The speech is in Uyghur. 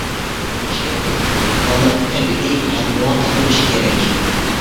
شېئىرىيەتتىكى غۇۋالىق تەبىئىي ھەم مۇۋاپىق بولۇشى كېرەك.